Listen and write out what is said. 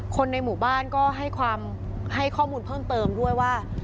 คนในหมู่บ้านก็ให้ความให้ข้อมูลเพิ่มเติมด้วยว่า